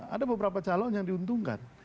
ada beberapa calon yang diuntungkan